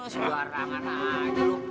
sejarah kan aja lo